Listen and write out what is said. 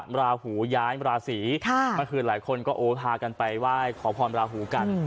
ราหูย้ายราศีเมื่อคืนหลายคนก็โอ้พากันไปไหว้ขอพรราหูกัน